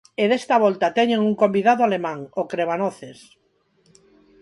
E desta volta teñen un convidado alemán, o Crebanoces.